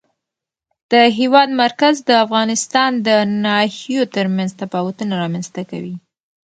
د هېواد مرکز د افغانستان د ناحیو ترمنځ تفاوتونه رامنځته کوي.